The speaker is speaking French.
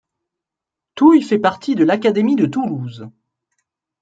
Touille fait partie de l'académie de Toulouse.